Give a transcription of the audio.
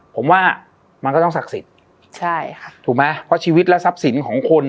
ผมว่ามันก็ต้องศักดิ์สิทธิ์ใช่ค่ะถูกไหมเพราะชีวิตและทรัพย์สินของคน